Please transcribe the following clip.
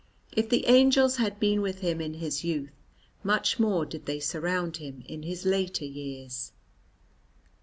If the angels had been with him in his youth, much more did they surround him in his later years.